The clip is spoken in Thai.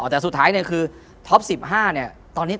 แต่สุดท้ายเนี่ยคือท็อป๑๕เนี่ย